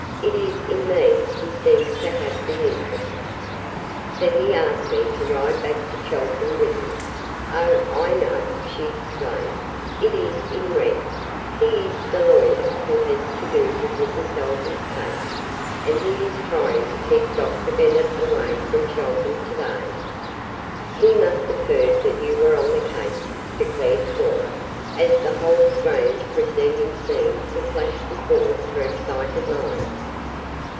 "It is in me he seems to have the interest, for he asked me to ride back to Chelton with him. Oh, I know!" she exclaimed. "It is in Wren! He is the lawyer who has to do with Mrs. Salvey's case, and he is trying to keep Dr. Bennet away from Chelton to day. He must have heard that you were on the case," declared Cora, as the whole strange proceeding seemed to flash before her excited mind.